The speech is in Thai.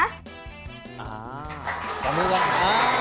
อ่าออมมือค่ะ